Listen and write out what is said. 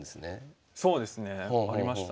そうですね。ありましたね。